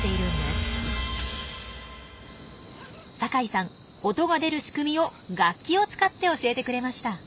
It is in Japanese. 酒井さん音が出る仕組みを楽器を使って教えてくれました。